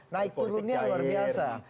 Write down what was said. naik turunnya luar biasa